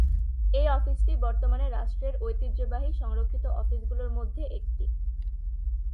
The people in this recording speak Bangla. এই অফিসটি বর্তমানে রাষ্ট্রের ঐতিহ্যবাহী সংরক্ষিত অফিসগুলির মধ্যে একটি।